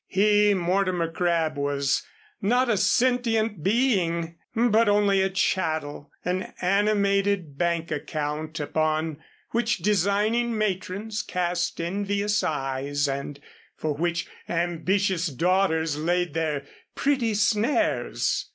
He, Mortimer Crabb, was not a sentient being, but only a chattel, an animated bank account upon which designing matrons cast envious eyes and for which ambitious daughters laid their pretty snares.